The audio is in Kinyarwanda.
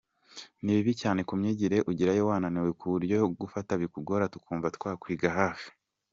Ni bibi cyane ku myigire ugerayo wananiwe ku buryo gufata bikugora, tukumva twakwiga hafi.